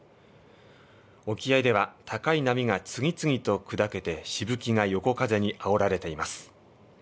沖合では高い波が次々と砕けてしぶきが横風にあおられています。